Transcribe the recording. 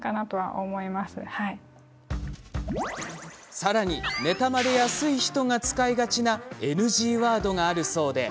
さらに、妬まれやすい人が使いがちなＮＧワードがあるそうで。